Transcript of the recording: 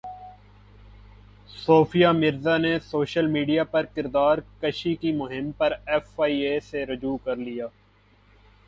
صوفیہ مرزا نے social media پرکردار کشی کی مہم پر ایف ائی اے سے رجوع کر لیا